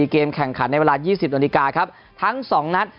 เกมแข่งขันในเวลา๒๐นทั้ง๒นัด